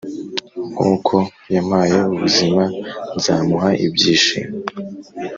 nkuko yampaye ubuzima nzamuha ibyishimo...